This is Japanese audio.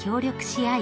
合い